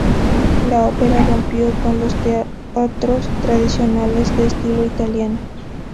La ópera rompió con los teatros tradicionales de estilo italiano.